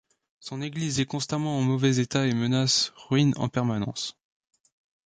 Son église est constamment en mauvais état et menace ruine en permanence.